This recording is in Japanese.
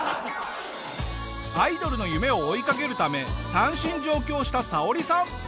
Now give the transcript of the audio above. アイドルの夢を追いかけるため単身上京したサオリさん。